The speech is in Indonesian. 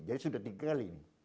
jadi sudah tiga kali ini